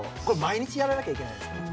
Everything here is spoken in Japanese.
これ毎日やらなきゃいけないんです。